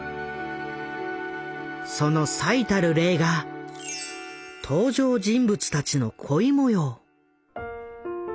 その最たる例が登場人物たちの恋もよう。